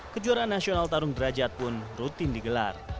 kejuaraan nasional tarung derajat pun rutin digelar